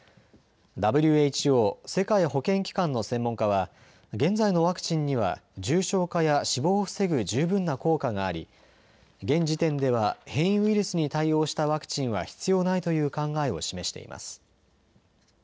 ＷＨＯ・世界保健機関の専門家は現在のワクチンには重症化や死亡を防ぐ十分な効果があり現時点では変異ウイルスに対応したワクチンは必要ないという考えを示しています。